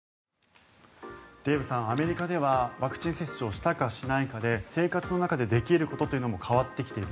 デーブさん、アメリカではワクチン接種をしたかしないかで生活の中でできることも変わってきている。